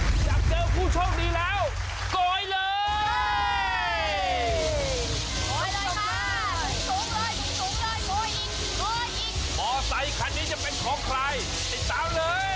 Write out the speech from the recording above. รุ้นกันค่ะได้ผู้โชคดีมาต่างกายแล้ว